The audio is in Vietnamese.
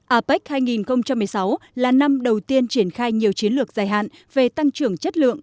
apec hai nghìn một mươi sáu là năm đầu tiên triển khai nhiều chiến lược dài hạn về tăng trưởng chất lượng